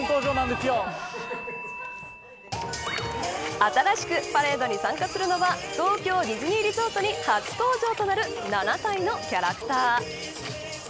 新しくパレードに参加するのは東京ディズニーリゾートに初登場となる７体のキャラクター。